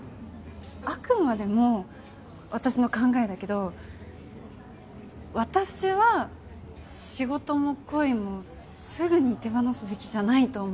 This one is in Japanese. あくまでも私の考えだけど私は仕事も恋もすぐに手放すべきじゃないと思う。